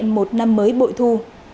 một năm mới bội thu